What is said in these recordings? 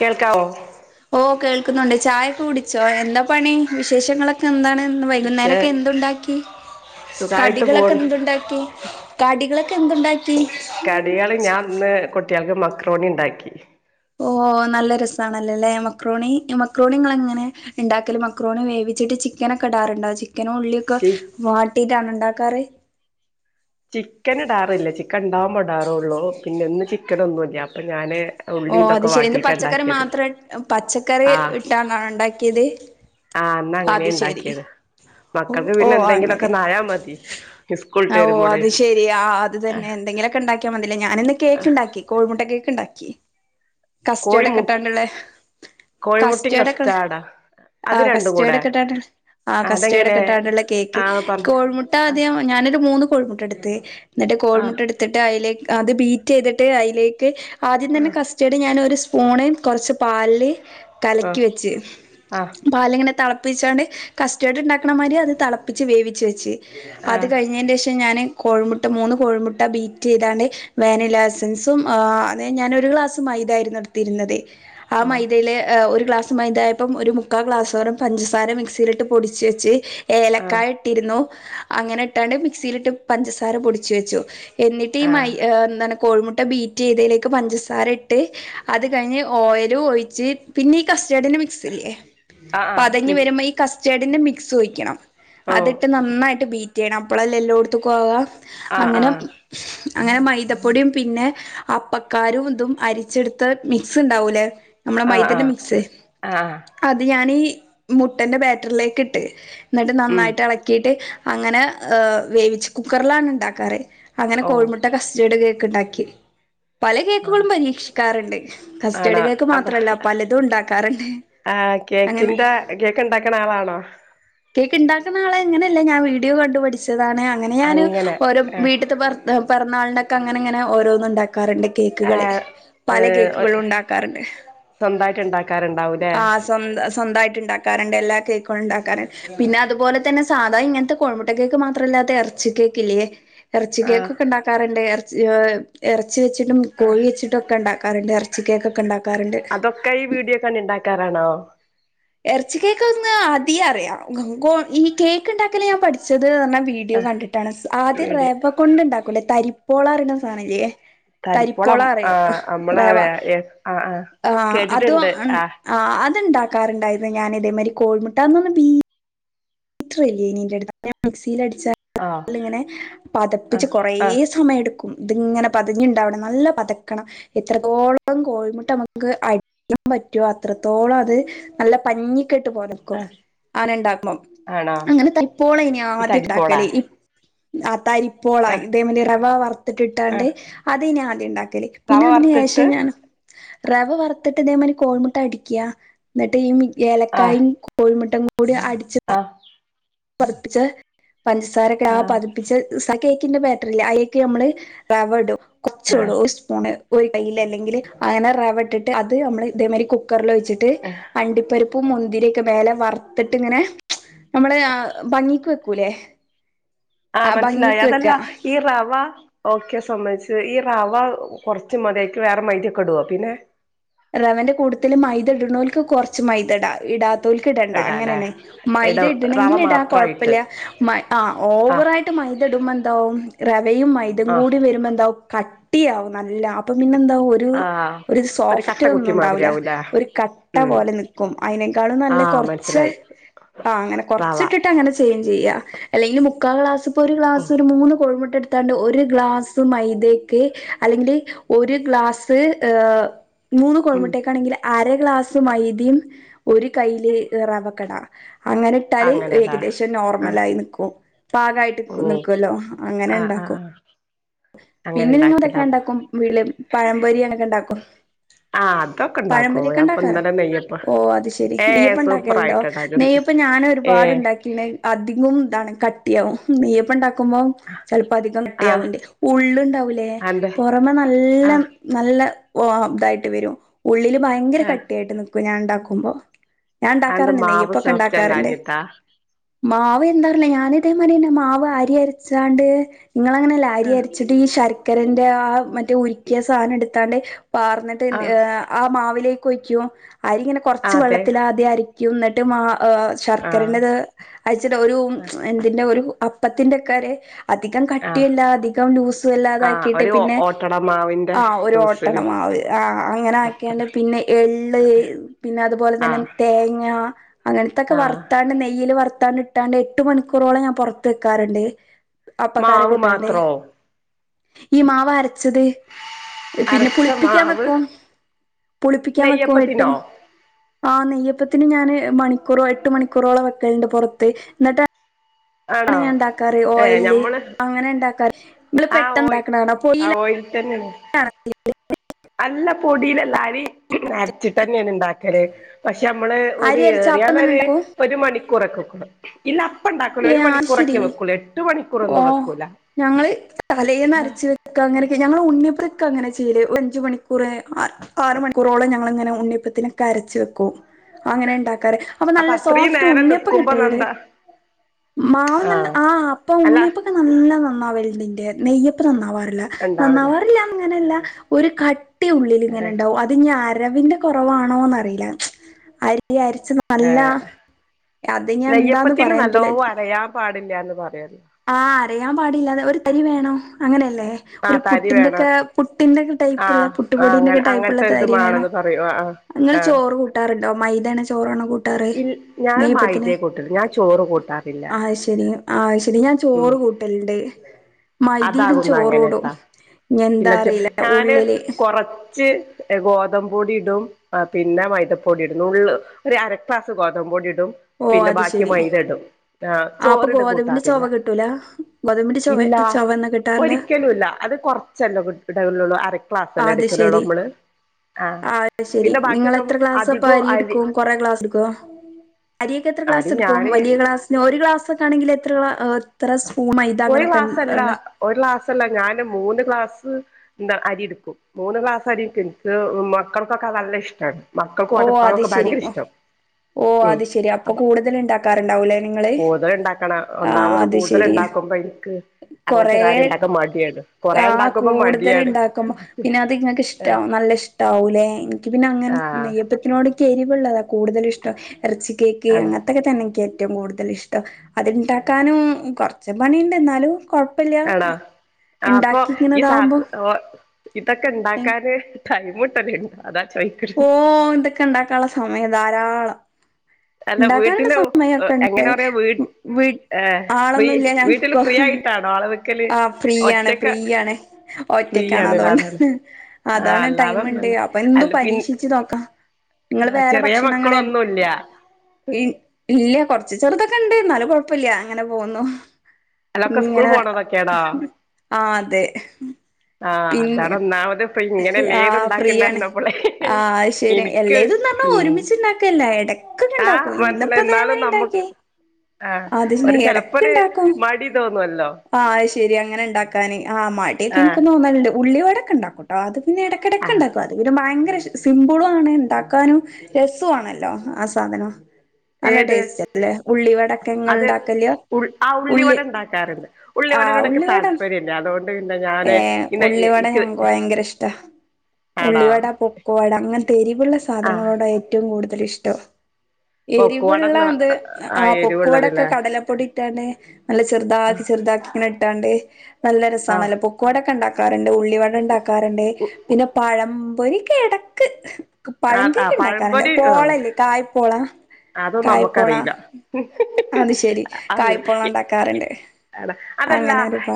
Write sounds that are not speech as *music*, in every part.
കേൾക്കാവോ ഓഹ് കേൾക്കുന്നുണ്ട് ചായൊക്കെ കുടിച്ചോ എന്താ പണി വിശേഷങ്ങളൊക്കെ ക്കെന്താണ് ഇന്ന് പക്ഷെ വൈകുന്നേരൊക്കെ എന്തുണ്ടാക്കി സുഖായിട്ട് കടികളൊക്കെ പോണ് എന്തുണ്ടാക്കി കടികളൊക്കെ എന്തുണ്ടാക്കി കടികള് ഞാൻ ഇന്ന് കുട്ടികൾക്ക് മക്രോണി ഇണ്ടാക്കി ഓഹ് നല്ല രസാണല്ലോലെ മക്രോണി മക്രോണി ഇങ്ങളെങ്ങനെ ഇണ്ടാക്കല് മക്രോണി വേവിച്ചിട്ട് ചിക്കനൊക്കെ ഇടാറുണ്ടോ ചിക്കനും ഉള്ളീം ക്ക ചി വാട്ടീട്ടാണോ ഇണ്ടാക്കാറ് ചിക്കൻ ഇടാറില്ല ചിക്കൻ ഇണ്ടാകുമ്പോ ഇടാറുള്ളു പിന്നെ ഇന്ന് ചിക്കൻ ഒന്നൂല്ല്യ അപ്പൊ ഞാന് ഉള്ളി ഓഹ് അത് ഇതൊക്കെ ശരി ഇന്ന് വാട്ടിയിട്ടാ പച്ചക്കറി ഉണ്ടാക്കിയത് മാത്രം പച്ചക്കറി ആഹ് ഇട്ടാണോ ഉണ്ടാക്കിയത് ആഹ് ഇന്നങ്ങെനെ അത് ശെരി ണ്ടാക്ക്യേത് ഓ മക്കക്ക് ഓ പിന്നെ എന്തെങ്കിലൊക്കാെന്നായാമതി ഓഹ് അത്ശരി ആഹ് അത് തെന്നെ ആഹ് എന്തെങ്കിലൊക്കെണ്ടാ ക്ക്യാ മതീലേ ഞാന് ഇന്ന് ആഹ് കേക്ക്ണ്ടാക്കി കോഴിമുട്ട കേക്ക്ണ്ടാക്കി കോഴിമു കസ്റ്റേഡെക്കെട്ടാണ്ട്ള്ളേ കോഴിമുട്ടയും കസ്റ്റേഡെക്കെ കസ്റ്റാർഡാ അത് ആഹ് കസ് രണ്ടും കൂടെ റ്റേഡെക്കെട്ടാണ്ട് ആഹ് അതെങ്ങനെ കസ്റ്റേഡാെക്കെ ഇട്ടാണ്ട്ള്ളെ കേക്ക് ആ പറഞ്ഞ കോഴ്മുട്ട ആദ്യം ഞാനൊരു മൂന്ന് കോഴ്മുട്ടട്ത്ത് ന്നെട്ട് ആ കോഴ്മുട്ടട് ത്ത്ട്ട് അയ്ലേക് ആഹ് അത് ബീറ്റെയ്ത്ട്ട് അയ്ലേക്ക് ആദ്യം ആ തന്നെ കസ് റ്റെട് ഞാനൊരു സ്പൂണ് കാെറെച്ച് പാൽല് കലക്കി ആ വെച്ച് ആ പാല്ങ്ങെനെ തിളപ്പിച്ചണ്ട് കസ്റ്റേർഡ് കസ്റ്റേർഡ് തൾപ്പിച്ചാണ്ട് കസ്റ്റേർഡ്ണ്ടാക്ക്ണ മായ്രി അത് തളപ്പിച്ച് വേവിച്ച് വെച്ച് ആ അത് ആ കയ്ഞ്ഞേന്റേഷ് ഷം ഞാന് കോഴിമുട്ട മൂന്ന് കോഴിമുട്ട ബീറ്റെയ്താണ്ട് വേനിലാ എസ്സെൻസും ആഹ് അതെ ഞാനൊരു ക്ലാസ്സ്‌ മൈദായ്ര്ന്നു എട്ത്തിര്ന്നെത് ആ ഓ മൈദേല് ഒരു ഗ്ലാസ് മൈദായപ്പം ഒര് മുക്കാ ഗ്ലാസോരം പഞ്ചസാര മിക്സിയിലിട്ട് പൊടിച്ച് വെച്ച് ആ ഏലക്കായ ട്ടിരിന്നു അങ്ങെനെട്ടാണ്ട് മിക്സിയിലിട്ട് പഞ്ചസാര പൊടിച്ച് വെച്ചു എന്നിട്ട് ഈ ആ മൈ ഏഹ് ന്താണ് കോഴ്മുട്ട ബീ റ്റെയ്തേലേക്ക് പഞ്ചസാര ഇട്ട് അത് കയ്ഞ്ഞ് ഓയലും ഒയിച്ച് പിന്നെ ഈ കസ്റ്റാർഡ്ന്റെ മിക്സ്‌ല്ല്യേ ആ ആ പതഞ്ഞ് മി വര്മ്പം ഈ കസ്റ്റേഡിന്റെ മിക്സും ഒഴിയ്ക്കെണം ഓ അതിട്ട് നന്നായ്ട്ട് ബീ റ്റെയ്യെണം അപ്പളെല്ലെ എല്ലോട്ത്ത്ക്കും ആവാ ആ ആ അങ്ങെനെം അങ്ങനെ മൈദപ്പൊട്യും പിന്നെ അപ്പക്കാരും തും അരിച്ചെട്ത്ത മിക്സ്ണ്ടാവൂലേ നമ്മളെ ആ ആ മൈദന്റെ മിക്സ് ആ അത് ഞാനീ മുട്ടന്റെ ബേറ്റർലേക്ക്ട്ട് ന്നെട്ട് ഉം നന്നായ്ട്ടെളെക്കീട്ട് അങ്ങെനെ ഏഹ് വേവിച്ച് കുക്കർലാണ് ഇണ്ടാക്കാറ് അങ്ങെനെ ഓ കോഴ്മുട്ട കസ്റ്റേഡ് കേക്ക്ണ്ടാക്കി. പല ആ കേക്കുകളും പരീക്ഷിക്കാറ്ണ്ട് കസ്റ്റഡ് ആണോ കേക്ക് അപ്പ മാത്രല്ല പലതുംണ്ടാക്കാറ്ണ്ട് അങ്ങെനെ കേക്ക്ണ്ടാക്ക്ണ ആളാണോ? കേക്ക്ണ്ടാക്ക്ന്ന ആള് അങ്ങെനെല്ല ഞാം വീഡിയോ കണ്ട് പഠിച്ചതാണ് അങ്ങെനെ ഞാന് അങ്ങനെ ഓരോ ആ വീട്ട് ത്തെ പെർ പെർന്നാൾനൊക്കെ അങ്ങെനെങ്ങെനെ ഓരോന്ന്ണ്ടാക്കാറ്ണ്ട് ആ കേക്ക്കെള് ഏ പല കേക്ക്കളുംണ്ടാക്കാറ്ണ്ട് സ്വന്തായിട്ട് ഉണ്ടാക്കാറുണ്ടാവൂലേ ആഹ് സ്വന്ത സ്വന്തായ് ഇണ്ടാക്കാറ്ണ്ട് എല്ലാ കേക്കുകളും ഇണ്ടാക്കാറ്ണ്ട് പിന്നെ അതുപോലെ തന്നെ സാധാ ഇങ്ങൻത്തെ കോഴിമുട്ട കേക്ക് മാത്രല്ലാതെ എർച്ചി കേക്ക്ല്ല്യേ എറെച്ചി ആ കേക്കൊക്കെ ഇണ്ടാക്കാറ്ണ്ട് എറെച്ചി ഏഹ് എറെച്ചി വെച്ചിട്ടും ആ കോഴി വെച്ചി ട്ടൊക്കെണ്ടാക്കാറ്ണ്ട് എറെച്ചി കേക്കാെക്കെണ്ടാക്കാറ്ണ്ട് ഇതൊക്കെ ഈ വീഡിയോ കണ്ട് ഇണ്ടാക്കാറാണോ? എർച്ചി കേക്ക് ഒന്ന് ആദ്യേ അറിയാം ഗോ ഈ കേക്ക്ണ്ടാക്കല് ഞാൻ പഠിച്ചത്ർഞ്ഞാ വീ ഡിയോ ആ കണ്ടിട്ടാണ് സ് ആദ്യം വീഡിയോ റെവ കൊണ്ട്ണ്ടാക്കൂലേ തരിപ്പോളാറീണെ സാനല്ല്യേ തരിപ്പോളം തരിപ്പോളറിയും ആഹ് നമ്മള റെവാ ആഹ് ആഹ് ആഹ് അത് കേട്ടിട്ടുണ്ട് എൻ ആഹ് അത്ണ്ടാക്കാറ്ണ്ടായ്‌ര്ന്നു ഞാനിതേമായ്രി കോഴ്മുട്ടാ അന്നൊന്നും ബീ റ്റ്റ്‌ല്ലേനി ഇന്റെട്ത്ത് അപ്പ ഞാ മിക്സീലടിച്ചാ ആഹ് ങ്ങെനെ പതപ്പിച്ച് ആഹ് കൊറേ ആഹ് സമെയെട്ക്കും ഇത്ങ്ങെനെ പതഞ്ഞ്ണ്ടാവണം നല്ല പതക്കണം എത്രത്തോളം കോഴിമുട്ട അമ്മക്ക് അടിക്കാം പറ്റോ അത്രത്തോളം അത് നല്ല പഞ്ഞിക്കെട്ട് പോലെക്കും ആഹ് ആനെണ്ടാക്ക്മ്പം ആണോ അങ്ങെനെ തയ്പ്പോളേനി ഈ തരിപ്പോളാ ആദ്യാെക്കാക്കെല് ഇ ആഹ് തരിപ്പോളാ ആഹ് ഇതേ മയ്രി റവ വർത്തിട്ടിട്ടാണ്ട് ആഹ് അതേനി ആദ്യംണ്ടാക്കെല് റവ പിന്നെ അതിന് വറുത്തിട്ട് ശേഷം ഞാൻ റവ വറുത്തിട്ട് ഇതേമാരി കോഴിമുട്ട അടിക്യാ. എന്നിട്ട് ഈ ആഹ് ഏലക്കായും കോഴിമുട്ടയും കൂടി അടിച്ച് ആഹ് പതപ്പിച്ച് പഞ്ചസാരക്കെ ആ ആഹ് പതിപ് പ്പിച്ച് ആ കേക്കിന്റെ ബാറ്ററില്ല ആയിക്ക് ഞമ്മള് റവടും കൊറച്ചോടും ആഹ് ഒരു സ് സ്പൂണ് ഒരു കൈയിൽ അല്ലെങ്കിൽ അങ്ങനെ റവട്ടിട്ട് അത് നമ്മള് ഇതേമാതിരി കുക്കറിൽ വെച്ചിട്ട് ഇത് അണ്ടിപ്പരിപ്പും മുന്തിരിയൊക്കെ മേലെ വറ്ത്തിട്ട് ഇങ്ങനെ നമ്മള് ആ- നീക്ക് വെക്കൂലേ ആ ആഹ് മനസ്സിലായി ഭംഗിക്ക് വെക്ക അതല്ല ഈ റവാ ഓക്കെ സമ്മയിച്ചു ഈ റവ കൊറച്ച് മതിയാക്ക് വേറെ മൈദക്കെ ഇടുവാ പിന്നെ റവന്റെ കൂട്ടത്തിൽ മൈദ ഇടുന്നോൽക്ക് കൊറച്ച് മൈദെടാം ഇടാത്തോൽക്ക് ഇടണ്ട ഇടാല്ലേ അങ്ങനെയണ്. ഇട മൈദ റവ ഇടണെങ്കിൽ ഇടാം മാത്രായിട്ട് കൊഴപ്പില്ല മ ആ ആഹ് ഓവറായിട്ട് മൈദ ഇടുമ്പോ എന്താവും റവയും മൈദേ ആഹ് കൂടി വരുമ്പോ എന്താവും കട്ടിയാവും നല്ല അപ്പൊ പിന്നെ എന്താവും ആഹ് ഒരു സോഫ്- കട്ട റ്റ് ഒന്നും കുത്തിയ ഉണ്ടാവില്ല മാതിരിയാവൂലേ ഒരു കട്ട ഉം പോലെ നിക്കും അതിനെക്കാളും നല്ല ആഹ് കുറച്ച് മനസ്സിലായി ആഹ അങ്ങനെ റവ കുറച്ചിട്ടിട്ട് ആഹ് ആഹ് അങ്ങനെ കൊറച്ചെക്കെയിട്ട് അങ്ങനെ ചേഞ്ച് ചെയ്യാം അല്ലെങ്കിൽ മുക്കാ ക്ലാസ് ഇപ്പോ ഒരു ക്ലാസ് ഉം ഒരു മൂന്ന് കോഴമുട്ടടു ത്താണ്ട് ഒരു ഗ്ലാസ് മൈദക്ക് അല്ലെങ്കിൽ ഒരു ഗ്ലാസ്സ് മൂന്ന് ഉം കോഴിമുട്ടക്കാണങ്കില്- അര ഗ്ലാസ് മൈതിം ഒരു കൈയില് റവക്കട അങ്ങനെ ഇട്ടാല് അങ്ങനെല്ലേ ഏകദേശം ആഹ് നോർമലായിനിക്കും പാകമായിട്ട് ഉം നിക്കുവല്ലോ അങ്ങനെ ആഹ് ആഹ് ഉണ്ടാക്കും. ആഹ് അങ്ങനെ പിന്നെ നിങ്ങതൊക്കെ ഇണ്ടാക്കലാ ഉണ്ടാക്കും വീടില് പഴംപൊരിയാങ്ങനൊക്കെ ഉണ്ടാക്കും. ആഹ് അതൊക്കെ ഇണ്ടാക്കോ പഴംമ്പൊരിയൊക്കെ ഞാൻപ്പ ഉണ്ടാക്കാറ ഇന്നലെ നെയ്യപ്പം ഓ അത് ശെരി ഏഹ് നെയ്യപ്പ ഉണ്ടാക്കലുണ്ടോ സൂപ്പറായിട്ട്ണ്ടാക്കും നെയ്യപ്പം പ്പ ഞാന് ഏഹ് ഒരുപാട്ണ്ടാക്കി. പിന്നെ അധികം ഇതാണ് കട്ടിയാവും നെയ്യപ്പ ഉണ്ടാക്കുമ്പോ ചിലപ്പോ അധികം ആഹ് കട്ടിയാവുണ്ട്. ഉള്ളുണ്ടാവൂലേ അതെന്തെ പൊറമെ നല്ല ആഹ് നല്ല ഇതായിട്ട് വരും. ഉള്ളില് ഭയങ്കര ആഹ് കട്ടിയായിട്ട് നിക്കൂ ഞാൻ ഉണ്ടാക്കുമ്പോ. ഞാൻ അതെന്താ ഉണ്ടാക്കാറണ്ട് മാവ് നെയ്യപ്പൊക്കെ ഉണ്ടാക്കാറ്ണ്ട്. സോഫ്റ്റല്ലാഞ്ഞിട്ടാ മാവ് എന്താറില്ല ഞാന ഇതേമാതിന്നെ മാവ് ആരിര്ച്ചാണ്ട് നിങ്ങള അങ്ങനെല്ല ആഹ് ആര്യര്ച്ചാ ണ്ട്. ഈ ശർക്കരന്റെ ആ മറ്റേ ഉരുക്കിയ സാധനം എടുത്താണ്ട് പാർന്നിട്ട് ഏ ആഹ് ആ മാവിലേക്ക് ഒയ്ക്കും ആരിങ്ങനെ കൊറച്ച് അതെ വെള്ളത്തിലാദ്യം അരക്കും എന്നിട്ട് മാ ആഹ് ശർക്കരന്റെത് അയച്ചിട്ട ഒരു ആഹ് എന്തിന്റെ ഒരു അപ്പത്തിന്റെക്കാരുത്. അധികം ആഹ് കട്ടിയില്ലതെ ആഹ് ലൂസാല്ലാതെക്കിട്ട് ഒരു പിന്നെ ഓട്ടട മാവിന്റെ ആ ഒരു ഒട്ടാട ലൂസില് മാവ് ആ അങ്ങനെ അത്ര ഏലം പിന്നെ എള്ള് പിന്നത്പോലെതന്നെ തേ ആഹ് തേങ്ങ അങ്ങനത്തൊക്കെ ആഹ് വറുത്താണ് നെയ്യിൽ വറ്ത്താണ്. കിട്ടാണ്ട് എട്ട് മണിക്കൂറോളം ഞാൻ പുറത്ത് വെക്കാറുണ്ട് അപ്പക്കാര മാവ് കിട്ടാണ്ട്. മാത്രോ ഈ മാവരച്ചത്. പിന്നെ അരച്ച പുളിപ്പിക്കാൻ മാവ് വെക്കും പുളിപ്പിക്കാൻ വെക്കുവോ എട്ടും നെയ്യപ്പത്തിനോ ആ നെയ്യപ്പത്തിന് ഞാന് മണിക്കൂറോ എട്ട് മണിക്കൂറോളം വെക്കലുണ്ട് പൊറത്ത് എന്നിട്ട് ഞാന് ആണോ ഇണ്ടാക്കാറ് ഏഹ് ഓയില് ഞമ്മള് അങ്ങനെണ്ടാക്കാറ് നിങ്ങള്പെട്ടന്ന് ഇണ്ടാക്കണെ ഓയില് - ഓയിലിൽ തന്നെയാണ്. *unintelligible* അല്ല പൊടിലല്ല അരി അരച്ചിട്ട് തന്നെയാണ് ഇണ്ടാക്കാറ്. ല്ലേ പക്ഷെ നമ്മള് ഒരു അരി അരച്ച അപ്പം തന്നെ ഏറിയാലൊര് ഉണ്ടാക്കും ഒരു മണിക്കൂറൊക്കെ വെക്കും ഇല്ല അപ്പണ്ടാക്കൂല ഒരു ഏഹ് അത് മണിക്കൂറൊക്കെ ശരി വെക്കുള്ളൂ എട്ട് മണിക്കൂർ- ഓഹ് ഞങ്ങള് തലേന്നരച്ച് ക്ക അങ്ങനെ ഞങ്ങൾ ഉണ്ണിപ്പ്രക്ക അങ്ങനെ ചെയ്യല് അഞ്ച മണിക്കൂറ് ആറ് മണിക്കൂറോളം ഞങ്ങളിങ്ങനെ ഉണ്ണിപ്പത്തിനൊക്കെ അരച്ചു വെക്കും അങ്ങനെ ഉണ്ടാക്കാറ് അപ്പൊ നല്ല അത്രയും സോഫ്റ്റ് നേരം ഉണ്ണിയപ്പം നിക്കുമ്പോ കിട്ടല്ലേ നന്താ മാവ് നല്ല ആഹ് ആ അല്ല നല്ല നന്നാവലതിന്റെ നെയ്യപ്പം നന്നാവാറില്ല ഉണ്ടാവൂലേ നന്നവാറില്ല ഇങ്ങനെയല്ല ആഹ് ഒരു കട്ടിയുള്ളിൽ ഇങ്ങനെ ഏഹ് ഉണ്ടാവും അ അതിനി അരവിന്റെ കുറവാണോന്ന് അറിയില്ല അരി അരച്ച അല്ല ഏഹ് അത് ഞാൻ എന്താന്ന് നെയ്യപ്പത്തിന് നല്ലോ പറയാനട്ടില്ല അരയാൻ പാടില്ലാന്ന് പറയാത് ആഹ് അറിയാൻ പാടില്ലാതെ ഒരു തരി വേണോ അങ്ങനെയല്ലേ ഒരു ആഹ് തരി പുട്ടിന്റെക്കെ വേണം പുട്ടിന്റെക്കെ ടൈപ്പുള്ള ആഹ് ആഹ് പുട്ടുപൊടീന്റെ ഒക്കെ അങ്ങനെ ടൈപ്പ്ള്ള അങ്ങനത്തെ ഒരിത് തരി വേണം മാണന്ന് പറയും ആഹ് നിങ്ങള് ആഹ് ചോറ് കൂട്ടാറുണ്ടോ മൈതന ചോറണോ കൂട്ടാറ് ഇൽ ഞാൻ നെയപ്പത്തിന് മൈദേ കൂട്ടല് ഞാൻ ചോറ് കൂട്ടാറില്ല ആഹ് ശരി ആ ശരി ഞാൻ ഉം ചോറ് കൂട്ടലണ്ട് മൈതീടും ചോറോട ഇല്ലച്ച ഞാന് ഉള്ളില് കൊറച്ച് ഗോതമ്പ് പൊടി ഇടും ആ പിന്നെ മൈതപ്പൊടി ഇടുന്നുള്ള് ഒരു അരക്ലാസ് ഗോതമ്പ് പൊടി ഇടും ഓ പിന്നെ അത് ബാക്കി ശെരി മൈദ ഇടും ആഹ് ആപ്പൊ ചോറിട് ഗോതമിന്റെ കൂട്ടാറില്ല ചെവ കിട്ടൂല ഗോതമ്പിന്റെ ചൊവ ചൊവയൊന്നും കിട്ടാറില്ലേ ഒട്ടുവില്ല അത് കുറച്ചല്ലേ ഇടലുള്ള അരക്ലാസ്ല്ലേ എടുക്കലള്ളൂ നമ്മള് ആഹ് അത് ശെരി പിന്നെ നിങ്ങൾ ബാക്കിയൊക്കെ എത്ര ക്ലാസ് അപ്പം അധികവും അരി എടുക്കും കൊറെ ക്ലാസ് എടുക്കുവോ അരിയക്ക എത്ര ക്ലസ് അരി എടുക്കും ഞാന് വലിയ ക്ലാസ് പിന്ന ഒരു ഗ്ലാസ് ഒക്കെ ആണെങ്കിൽ എത്ര എത്ര സ്പൂം മൈത ഒരു അങ്ങനെക്കെ ക്ലാസ്സല്ല ഒരു ക്ലാസ്സല്ല ഞാന് മൂന്ന് ഗ്ലാസ് എന്താ അരി എടുക്കും മൂന്ന് ക്ലാസ് അരി എനിക്ക് മക്കൾക്കൊക്കെ നല്ല ഇഷ്ടമാണ് മക്കൾക്ക് ഓ അത് ഓടപ്പാക്കെ ശരി ഭയങ്കര ഇഷ്ടം ഓ ഉ അത് ശരി അപ്പൊ അപ്പ കൂടുതൽ ഉണ്ടാക്കാറുണ്ടാവൂലേ നിങ്ങള് കൂടുതൽ ഉണ്ടാക്കണം ആ ഒന്നാമത് അത് കൂടുതൽ ശരി ഉണ്ടാക്ക ക്കുമ്പ എനിക്ക് അങ്ങനത്തെ കാര്യം ഉണ്ടാക്കൻ മടിയാണ് കൊറേ ആഹ് ഉണ്ടാക്കുമ്പോ കൂടുതൽ മടിയാണ് ഉണ്ടാക്കുമ്പ പിന്നെ അത്ങ്ങക്ക് ഏ ഇഷ്ട നല്ല ഇഷ്ടാവലെ എനിക്ക് പിന്നെ അങ്ങനെ ആഹ് നെ നോട് എരിവുള്ളതാ കൂടുതൽ ഇഷ്ടം ഇറച്ചിക്ക് കേക്ക് ആണോ അങ്ങനത്തൊക്കെ തന്നെനിക്ക് ഏറ്റവും കൂടുതൽ ഇഷ്ടം അത്ണ്ടാക്കാനും കൊറച്ച് പണിയുണ്ട് എന്നാലും കൊഴപ്പില്ല ആണോ അപ്പൊ ഉണ്ടാക്കി ഇങ്ങനെ ഈ സ ഇതാവുമ്പോ ഇതൊക്കെ ഉണ്ടാക്കാന് ടൈമ് കിട്ടണ്ടേ അതാ ചോദിക്ക *inaudible* ക്കെ ഉണ്ടാക്കാനുള്ള സമയം ധാരാളം അല്ല ഇണ്ടാക്കാനുള്ള വീട്ടില് സമയൊക്കെ ഇണ്ട് എങ്ങനെ പറയാ വീ വീ ഏ ഫ്രീ വീട്ടില് ഫ്രീ ആയിട്ടാണ് നാളെ വെ ആഹ് ഫ്രീയാണ് ഫ്രീയാണ് ഒറ്റക്കാണ് ഫ്രീയാണ്ലെ അതാണ് അതുകൊണ്ടാണ് ആഹ് അതാണ് ടൈമ് ഉണ്ട് അല്ലാതൊന്നല്ല അപ്പൊ എന്തു അല്ല പിൻ പരീക്ഷിച്ച് നോക്കാം നിങ്ങള് വേറെ ചെറിയ ഭക്ഷണങ്ങള് മക്കളൊന്നുല്ല ഇല്ല കൊറച്ച് ചെറുതൊക്കെ ഇണ്ട് എന്നാലും കൊഴപ്പില്ല അങ്ങനെ പോന്നു അല്ലൊക്ക സ്കൂ പോണെ *unintelligible* ആ അതെ ആഹ് പിന്നെ അതാണ് ഒന്നാമത് അപ്പൊ ഇങ്ങനെയല്ലേ ഏത് ആഹ് ഫ്രീയാണ് ഇണ്ടാക്കിണ്ടരുന്ന പോലെ ആഹ് അത് ശരി എനിക്ക് എല്ലേതുംന്ന് പറഞ്ഞാ ഉം ഒരുമിച്ച് ഇണ്ടാക്കല്ല എടക്കൊക്കെ ആഹ് ഇണ്ടാക്കും ഇന്നിപ്പോ മനസ്സിലായി എന്നാലും ഇതേമാരി നമ്മു ഇണ്ടാക്കിയേ ആഹ് അത് ഒരു ചെലപ്പോ എടക്ക് ഒരു ഇണ്ടാക്കും മടി തോന്നുവല്ലോ ആഹ് ശരി അങ്ങനെണ്ടാക്കാനി ആഹ് ആഹ് മടിയെക്കെനിക്കും തോന്നാറുണ്ട് ഉള്ളിവടെക്കാക്കുട്ടാ അത് പിന്നെ ഇട ആഹ് എടക്കെണ്ടാക്ക്വാർന്ന് ഇത് പിന്നെ ഭയങ്കര ശി സിമ്പിളു ആണ് ഇണ്ടാക്കാനും രസുണല്ലോ ആ സാധനം നല്ല ഏത് ടേസ്റ്റല്ലേ ഉള്ളി വടേക്കെങ്ങൾ ഇണ്ടാക്കല്യ ഉള്ളി കാറ്ണ്ട് ആഹ് ഉള്ളിവടനോട്‌ക്ക് ഉള്ളിവട താല്പര്യല്ല അതോണ്ട് ന്ത ഞാന് ഏഹ് പിന്നെ ഇ ഉള്ളിവട ഇൻക്ക് ഞങ്ങക്ക് ഭയങ്കര ഇഷ്ടാ ഉള്ളിവട പൊക്കൊവട അങ്ങൻത്തെരിവ്ള്ള ആഹ് സാധനങ്ങളോട ഏറ്റവും കൂടുതലിഷ്ടം പൊക്കുവടന്നാ എരിവ്ള്ളത് ആ ആഹ് പൊക്കോവടെക്കെ എരിവുള്ളതില്ലേ കടലപ്പൊടി ട്ടാണ്ട് നല്ല ചെറുതാക്കി ചെറതാക്കിങ്ങനെ ഇട്ടാണ്ട് നല്ല ആഹ് രസാണല്ലൊ പൊ ക്കോടൊക്കെണ്ടാക്കാറ്ണ്ട് ഉള്ളിവടണ്ടാക്കാറ്ണ്ട് പിന്നെ പഴം പൊരിക്കെടക്ക് ആ പഴം ആ കേക്ക്ണ്ടാക്കാറ്ണ്ട് പഴംപൊരി ആഹ് പോളല്ലേ കായ്പോള അതൊന്നും കായ്പോള നമ്മക്കറിയില്ല അത് ശരി അറിയില്ല കായ്പോളണ്ടാക്കാറ്ണ്ട് *unintelligible* അതല്ല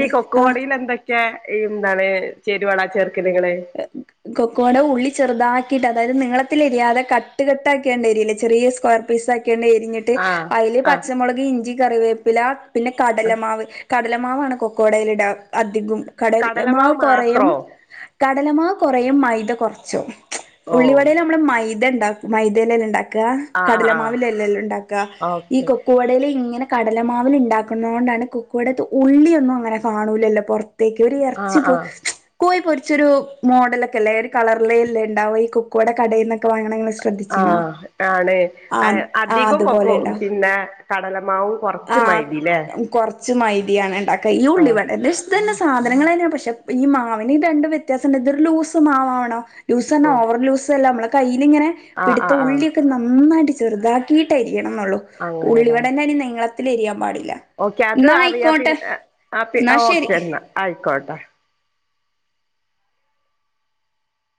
ഈ കൊക്കുവാടിലെന്തക് ക്കെ ഈന്താണ് ചേരുവള ചേർക്കല്ങ്ങള് *unintelligible* കൊക്കോട ഉള്ളി ചെറുതാകിട്ട് അതായത് നീളത്തിലരിയാതെ കട്ട് കട്ടാക്കിയാണ്ടരിയില്ലെ ചെറിയെ സ്ക്വയർ പിസാക്കിയെണ്ണെരിഞ്ഞിട്ട് ആഹ് അയില് ആഹ് പച്ചമുളക് ഇഞ്ചി കറിവേപ്പില പിന്നെ ആഹ് കടലമാവ് കട് കടലമാവാണ് കൊക്കോടെയിലിട അധികും കടലമാവ് കോറെയും കടലമാവ് കോറയും മൈദ കോർച്ചും ഓ ഉള്ളിവടയിലമ്മള് മൈദേണ്ടാക്കും മൈദേലല്ലേണ്ടാ ക്കാ ആഹ് ആഹ് ആഹ് കടലമാവിലല്ലല്ലോണ്ടാക്ക ഈ ഓക്കെ കൊക്കോവ ടെലിങ്ങനെ കടലമാവിൽ ഇണ്ടാക്കുന്നോണ്ടാണ് കുക്കവടെത്തെ ഉള്ളിയൊന്നും അങ്ങനെ കാണൂല്ലല്ലോ പൊറ ത്തെക്കൊരു ആഹ് എർച്ചിപോ ആഹ് കോയി പൊരി ച്ചൊരു മോഡലൊക്കെല്ലെ ഒരു കളർലേല്ലേണ്ടാവ ഈ കുക്ക് വടെക്കടയിൽന്നൊക്കെ വങ്ങണെങ്ങള് സ് ആഹ് ആണ് ആഹ് ആ അധികോം അതുപോലെ കൊക്കോ ഉണ്ടാവും പിന്നെ കടലമാവും കൊറച്ച് മൈദീല്ലേ ച് മൈതിയാണ് ണ്ടാക്ക ഇയുള്ളിവടെന്റെ ഇഷ് ഇതെന്നെ സാധനങ്ങളന്നെയാ പക്ഷെ ഈ മാവിന് രണ്ട് വെ ത്യാസണ്ട് ഇതൊരുലൂസ് മാവാണോ ലൂസറ്ഞ്ഞാ ഓ ഓവർ ലൂസല്ല നമ്മെ കയ്യിലിങ്ങനെ ആഹ് പിടുത്ത ആഹ് ആഹ് ഉള്ളി നന്നായിട്ട് ചെറുതാക്കീട്ടരിയണം ന്നുള്ളു അങ്ങനെല്ലേ ഉള്ളിവടെന്റെരി നീളത്തിലരിയാൻ പാടില്ല ഓക്കെ അത് ന്നാ അറിയാ ആയിക്കോട്ടെ പിന്ന ആ ആഹ് പി ന്നാ ആ ശരി ഓക്കെന്നാ ആയിക്കോട്ടെ